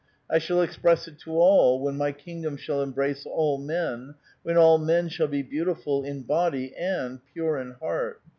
I shall express it to all, when my kingdom shall embrace all men, when all men shall be beautiful in body and pure in heart.